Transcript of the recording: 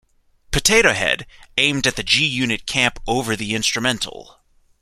Potato Head, aimed at the G-Unit camp over the instrumental.